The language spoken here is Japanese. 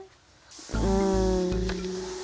うん。